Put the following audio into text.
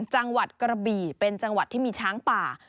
จังหวัดกระบี่เป็นจังหวัดที่มีช้างป่า